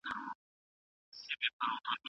شها یوناڅاپه پورته لوپټه کړه